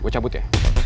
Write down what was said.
gue cabut ya